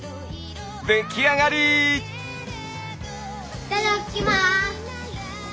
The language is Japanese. いただきます！